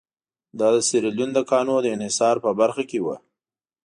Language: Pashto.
دا د سیریلیون د کانونو د انحصار په برخه کې وو.